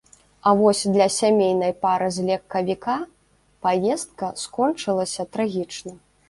А вось для сямейнай пары з легкавіка паездка скончылася трагічна.